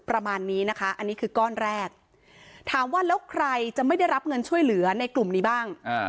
ประมาณนี้นะคะอันนี้คือก้อนแรกถามว่าแล้วใครจะไม่ได้รับเงินช่วยเหลือในกลุ่มนี้บ้าง